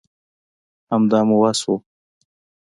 همدا مو وس وو